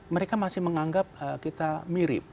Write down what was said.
mereka masih menganggap kita mirip